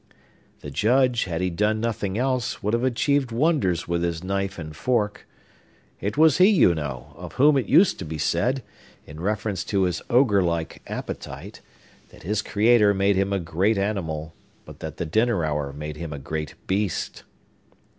The Judge, had he done nothing else, would have achieved wonders with his knife and fork. It was he, you know, of whom it used to be said, in reference to his ogre like appetite, that his Creator made him a great animal, but that the dinner hour made him a great beast.